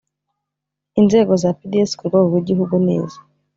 inzego za pdc ku rwego rw igihugu ni izi